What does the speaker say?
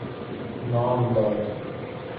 نام داد